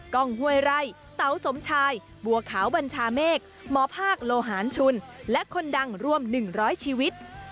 กล้องห้วยไร่เต๋าสมชายบัวขาวบัญชาเมฆหมอภาคโลหารชุนและคนดังร่วม๑๐๐ชีวิต